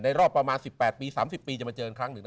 รอบประมาณ๑๘ปี๓๐ปีจะมาเจอกันครั้งหนึ่ง